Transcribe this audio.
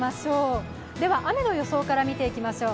雨の予想から見ていきましょう。